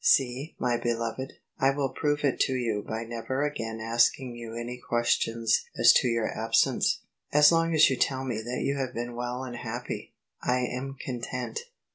See, my beloved, I will prove it to you. by never again asking you any ques tions as to your absence: as long as you tell me that you have been well and happy, I am content."